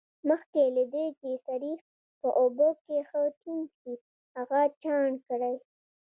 مخکې له دې چې سريښ په اوبو کې ښه ټینګ شي هغه چاڼ کړئ.